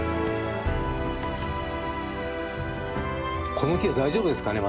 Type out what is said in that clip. この木は大丈夫ですかね？